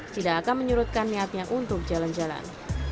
tidak akan menyurutkan niatnya untuk jalan jalan